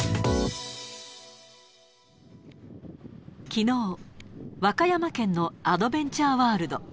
きのう、和歌山県のアドベンチャーワールド。